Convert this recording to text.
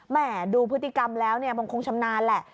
ดูพฤติกรรมแล้วเนี่ยมันคงชำนาญแหละ